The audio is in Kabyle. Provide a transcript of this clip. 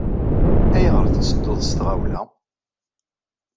Ayɣer tettedduḍ s tɣawla?